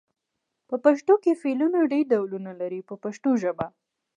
په پښتو کې فعلونه ډېر ډولونه لري په پښتو ژبه.